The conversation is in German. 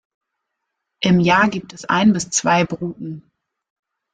Im Jahr gibt es ein bis zwei Bruten.